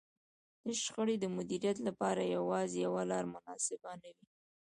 د شخړې د مديريت لپاره يوازې يوه لار مناسبه نه وي.